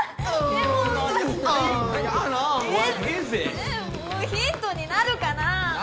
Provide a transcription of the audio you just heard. えヒントになるかなあ？